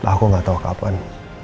aku gak tahu kapan